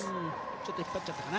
ちょっと引っ張っちゃったかな。